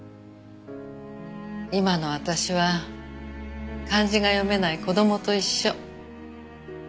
今の私は漢字が読めない子供と一緒。